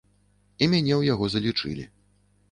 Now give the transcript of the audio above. І мяне ў яго залічылі.